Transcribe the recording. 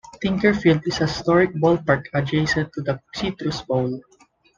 Tinker Field is a historic ballpark adjacent to the Citrus Bowl.